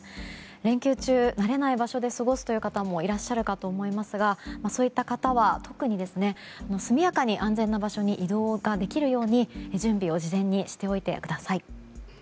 連休中、慣れない場所で過ごす方もいると思いますがそういった方は特に速やかに安全な場所に移動ができるように事前に準備しておいてください。